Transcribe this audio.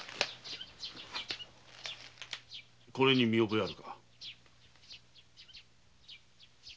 これに見覚えがあるか？